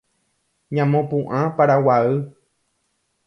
Ñamopu’ã Paraguay